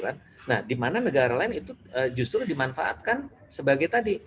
nah di mana negara lain itu justru dimanfaatkan sebagai tadi